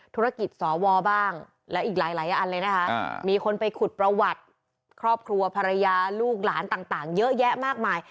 ธุรกิจสวบ้างและอีกหลายอันเลยนะคะมีคนไปขุดประวัติครอบครัวภรรยาลูกหลานต่างเยอะแยะมากมาย